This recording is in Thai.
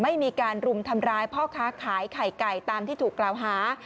ไม่มีการรุมทำร้ายพ่อค้าขายไข่ไก่ตามที่ถูกกล่าวหา